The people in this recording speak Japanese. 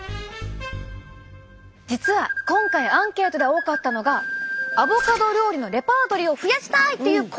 実は今回アンケートで多かったのがアボカド料理のレパートリーを増やしたい！という声。